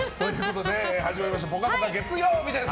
始まりました「ぽかぽか」月曜日です。